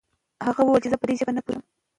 هغه وويل چې زه په دې ژبه نه پوهېږم.